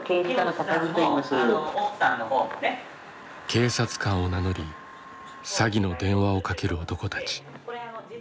警察官を名乗り詐欺の電話をかける男たち。